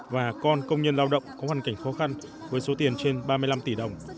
và con công nhân lao động có hoàn cảnh khó khăn với số tiền trên ba mươi năm tỷ đồng